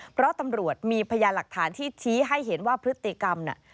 เพราะตำรวจมีพยานหลักฐานที่ชี้ให้เห็นว่าพฤติกรรมน่ะ